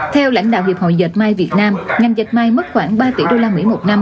theo lãnh đạo hiệp hội dệt mây việt nam ngành dệt mây mất khoảng ba tỷ usd một năm